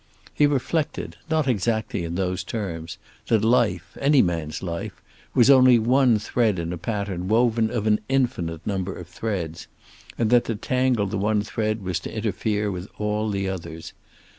He reflected, not exactly in those terms, that life, any man's life, was only one thread in a pattern woven of an infinite number of threads, and that to tangle the one thread was to interfere with all the others.